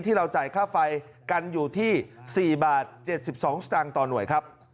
เราจ่ายค่าไฟกันอยู่ที่๔บาท๗๒สตางค์ต่อหน่วยครับ